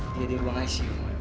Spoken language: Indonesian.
dia di ruang ic